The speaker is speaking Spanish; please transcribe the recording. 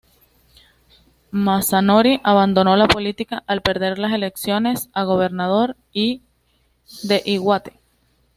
Masanori abandonó la política al perder las elecciones a gobernador de Iwate.